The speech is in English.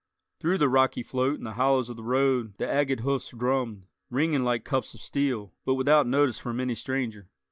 Through the rocky float in the hollows of the road the agate hoofs drummed, ringing like cups of steel; but without notice from any stranger.